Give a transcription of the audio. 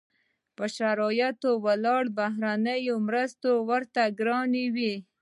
پر شرایطو ولاړې بهرنۍ مرستې ورته ګرانې وې.